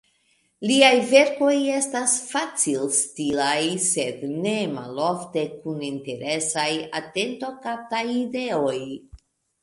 Liaj verkoj estis facilstilaj, sed nemalofte kun interesaj, atentokaptaj ideoj.